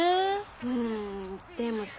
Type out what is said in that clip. うんでもさ